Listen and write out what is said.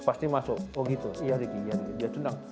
pasti masuk oh gitu ya adiknya dia tendang